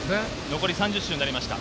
残り３０周となりました。